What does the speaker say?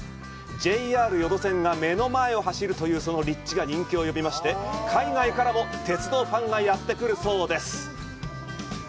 ＪＲ予土線が目の前を走る立地が人気を呼び、海外からも鉄道ファンがやってくるそうです。